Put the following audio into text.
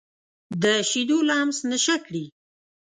د شیدو لمس نشه کړي